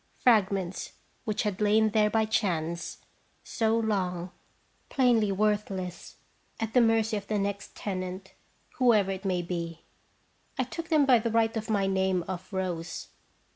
Frag ments which had lain there by chance so long, plainly worthless, at the mercy of the next tenant, whoever it might be. I took them by right of my name of Rose.